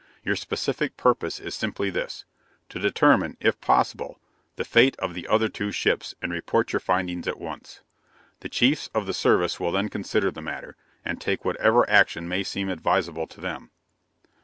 Your specific purpose is simply this: to determine, if possible, the fate of the other two ships, and report your findings at once. The Chiefs of the Service will then consider the matter, and take whatever action may seem advisable to them."